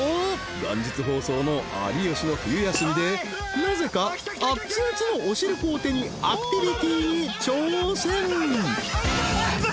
元日放送の『有吉の冬休み』でなぜか熱々のお汁粉を手にアクティビティに挑戦］